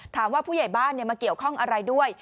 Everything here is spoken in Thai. ผู้ใหญ่บ้านมาเกี่ยวข้องอะไรด้วย